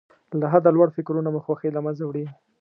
له حده لوړ فکرونه مو خوښۍ له منځه وړي.